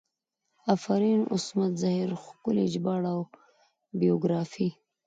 افرین عصمت زهیر ښکلي ژباړه او بیوګرافي